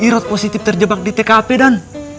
irot positif terjebak di tkp dan